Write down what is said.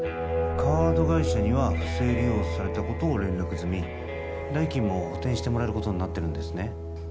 カード会社には不正利用されたことを連絡済み代金も補填してもらえることになってるんですね